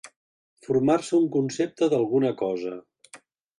Formar-se un concepte d'alguna cosa.